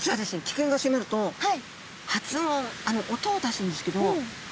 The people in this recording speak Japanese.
危険が迫ると発音音を出すんですけど。